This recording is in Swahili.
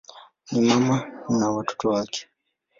Ni mama na watoto wake.